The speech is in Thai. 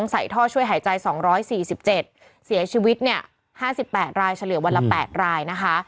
ใส่ท่อช่วยหายใจ๒๔๗เสียชีวิตเนี่ย๕๘รายเฉลี่ยวันละ๘รายนะคะ